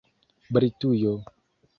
Britujo